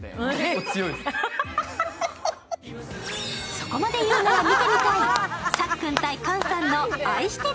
そこまで言うなら見てみたい。